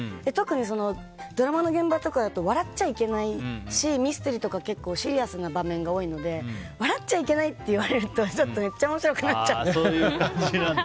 特にドラマの現場とかだと笑っちゃいけないし「ミステリ」とかシリアスな場面が多いので笑っちゃいけないって言われるとめっちゃ面白くなっちゃって。